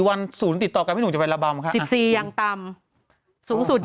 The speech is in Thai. คนไล่ตามหาพี่หนุ่ม